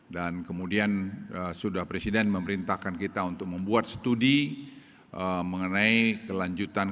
dan kemudian sudah presiden memerintahkan kita untuk membuat studi mengenai kelanjutan